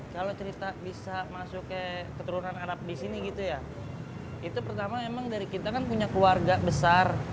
kalau cerita bisa masuk ke keturunan arab di sini itu pertama dari kita punya keluarga besar